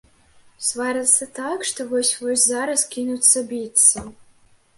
Сварацца так, што вось-вось зараз кінуцца біцца.